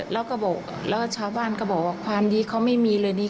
แล้วก็บอกแล้วชาวบ้านก็บอกว่าความดีเขาไม่มีเลยนี่